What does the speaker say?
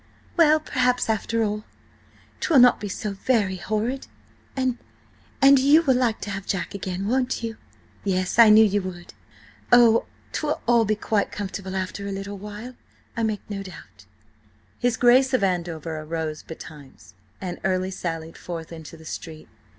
Well, perhaps after all, 'twill not be so very horrid. And–and you will like to have Jack again, won't you? Yes–I knew you would. Oh, 'twill all be quite comfortable after a little while, I make no doubt!" His Grace of Andover arose betimes, and early sallied forth into the street.